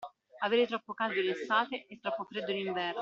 Avere troppo caldo in estate e troppo freddo in inverno.